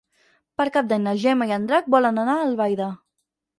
Per Cap d'Any na Gemma i en Drac volen anar a Albaida.